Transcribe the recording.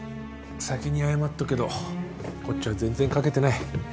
先に謝っとくけどこっちは全然書けてない。